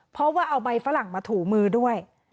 เพราะว่าเอาใบฝรั่งมาถูมือด้วย